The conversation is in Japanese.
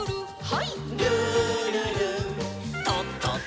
はい。